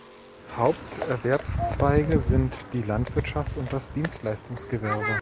Haupterwerbszweige sind die Landwirtschaft und das Dienstleistungsgewerbe.